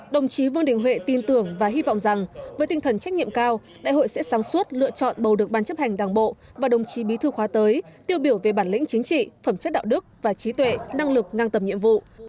đồng chí vương đình huệ tin tưởng và hy vọng rằng với tinh thần trách nhiệm cao đại hội sẽ sáng suốt lựa chọn bầu được ban chấp hành đảng bộ và đồng chí bí thư khóa tới tiêu biểu về bản lĩnh chính trị phẩm chất đạo đức và trí tuệ năng lực ngang tầm nhiệm vụ